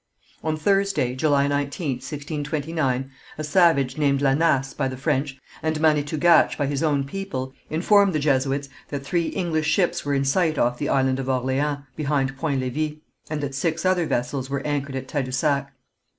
On Thursday, July 19th, 1629, a savage named La Nasse by the French, and Manitougatche by his own people, informed the Jesuits that three English ships were in sight off the Island of Orleans, behind Point Lévis, and that six other vessels were anchored at Tadousac.